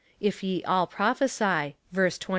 If ye all prophesy, (verse 24.)